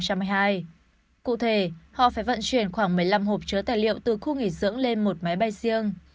cụ thể họ phải vận chuyển khoảng một mươi năm hộp chứa tài liệu từ khu nghỉ dưỡng lên một máy bay riêng